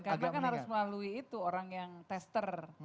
karena kan harus melalui itu orang yang tester